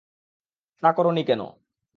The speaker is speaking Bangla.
তা করোনি কেন?